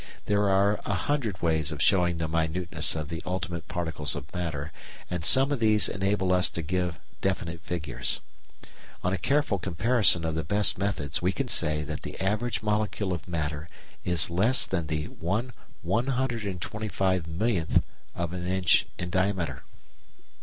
There are a hundred ways of showing the minuteness of the ultimate particles of matter, and some of these enable us to give definite figures. On a careful comparison of the best methods we can say that the average molecule of matter is less than the 1/125,000,000 of an inch in diameter.